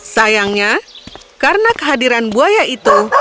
sayangnya karena kehadiran buaya itu